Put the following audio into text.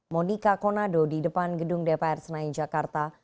monika konado di depan gedung dpr senayan jakarta